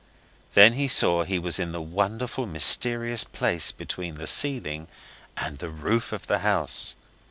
Then he saw he was in the wonderful, mysterious place between the ceiling and the roof of the house.